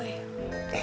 ceritain dong boy